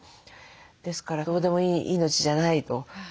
ですからどうでもいい命じゃないと。